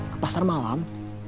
ke pasar malam